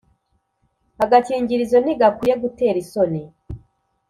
Agakingirizo ntigakwiye gutera isoni